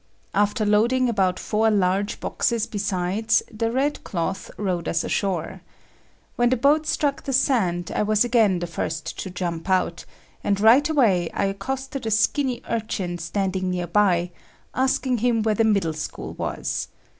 After loading about four large boxes besides, the red cloth rowed us ashore. When the boat struck the sand, I was again the first to jump out, and right away I accosted a skinny urchin standing nearby, asking him where the middle school was.